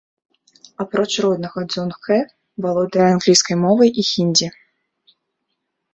Апроч роднага дзонг-кэ, валодае англійскай мовай і хіндзі.